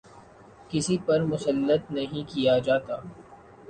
کسی پر مسلط نہیں کیا جاتا۔